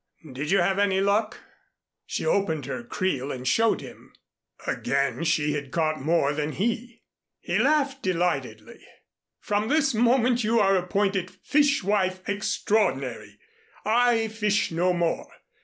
Did you have any luck?" She opened her creel and showed him. Again she had caught more than he. He laughed delightedly. "From this moment you are appointed Fish wife Extraordinary. I fish no more.